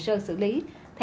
theo phóng viên hồ chí minh